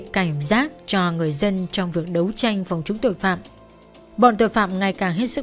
cảnh giác cho người dân trong việc đấu tranh phòng chống tội phạm bọn tội phạm ngày càng hết sức